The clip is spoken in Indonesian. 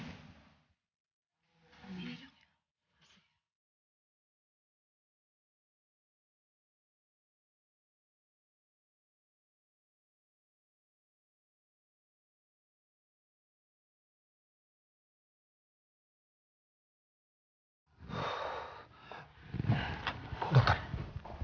aku tak tahu